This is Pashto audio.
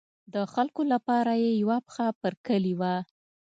د خلکو لپاره یې یوه پښه پر کلي وه.